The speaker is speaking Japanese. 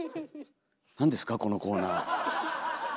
なんですかこのコーナー。